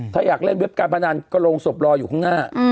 ถ้าอยากเล่นเว็บการพนันก็โรงศพรออยู่ข้างหน้า